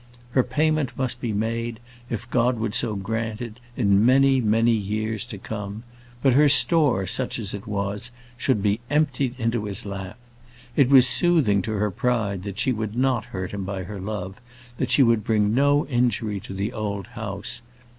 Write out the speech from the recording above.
Her payment must be made, if God would so grant it, in many, many years to come. But her store, such as it was, should be emptied into his lap. It was soothing to her pride that she would not hurt him by her love, that she would bring no injury to the old house.